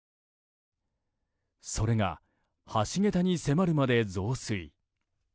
それが橋げたに迫るまで増水。